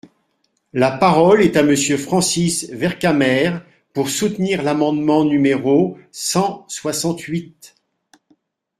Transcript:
La parole est à Monsieur Francis Vercamer, pour soutenir l’amendement numéro cent soixante-huit.